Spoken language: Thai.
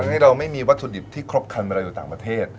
ให้เราไม่มีวัตถุดิบที่ครบคันเวลาอยู่ต่างประเทศ